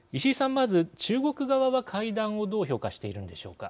まず中国側は会談をどう評価しているんでしょうか。